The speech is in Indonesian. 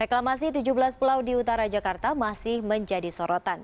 reklamasi tujuh belas pulau di utara jakarta masih menjadi sorotan